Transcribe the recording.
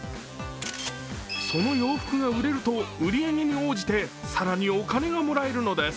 その洋服が売れると売り上げに応じて、更にお金がもらえるのです。